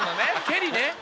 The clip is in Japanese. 「けり」ね。